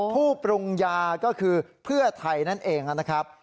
ผู้ปรุงยาก็คือเพื่อไทยนั่นเองนะครับ